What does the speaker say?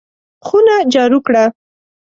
خونه جارو کړه!